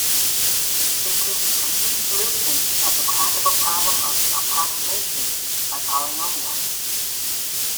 It gives the complete solution of the classical problem of approximation by polynomials.